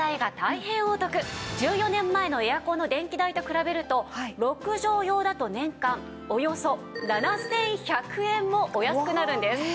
１４年前のエアコンの電気代と比べると６畳用だと年間およそ７１００円もお安くなるんです。